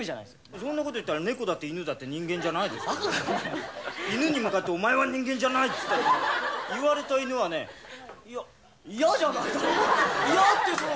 そんなこと言ったら猫だって犬だって人間じゃないですからバカかお前は犬に向かってお前は人間じゃないっつっても言われた犬はねいやいやじゃないだろいやってそれ